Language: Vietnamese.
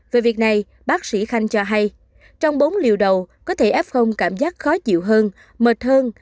về việc này bác sĩ khanh cho hay trong bốn liều đầu có thể f cảm giác khó chịu hơn mệt hơn